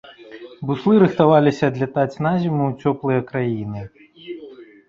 Буслы рыхтаваліся адлятаць на зіму ў цёплыя краіны.